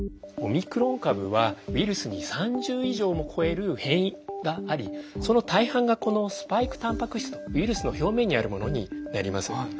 オミクロン株はウイルスに３０以上も超える変異がありその大半がこのスパイクタンパク質とウイルスの表面にあるものになります。